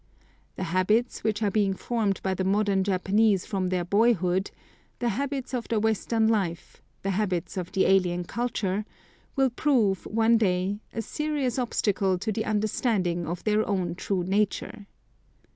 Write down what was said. The habits, which are being formed by the modern Japanese from their boyhood, the habits of the Western life, the habits of the alien culture, will prove, one day, a serious obstacle to the understanding of their own true nature.